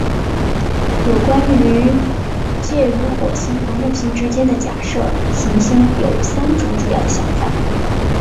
有关于介于火星和木星之间的假设行星有三种主要的想法。